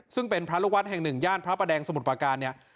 ซึ่งเป็นพระลูกวัดแห่งหนึ่งย่านพระประแดงสมุทรประการเนี่ย